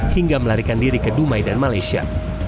hingga melarikan diri ke dumai dan malaysia